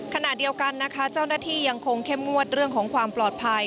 ขณะเดียวกันนะคะเจ้าหน้าที่ยังคงเข้มงวดเรื่องของความปลอดภัย